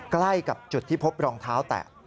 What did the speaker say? ใกล้กับจุดที่พบรองเท้าแตะ